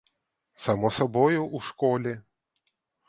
Само собою у школі.